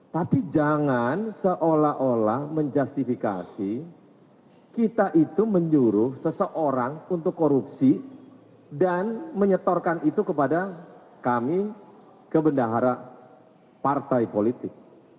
tapi jangan seolah olah menjustifikasi kita itu menyuruh seseorang untuk korupsi dan menyetorkan itu kepada kami ke bendahara partai politik